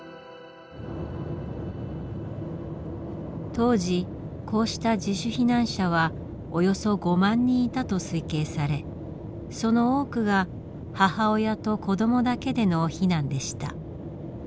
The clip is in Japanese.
当時こうした自主避難者はおよそ５万人いたと推計されその多くが母親と子どもだけでの避難でした。